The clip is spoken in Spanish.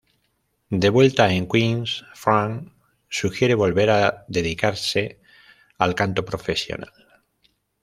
De vuelta en Queens, Frank sugiere volver a dedicarse al canto profesional.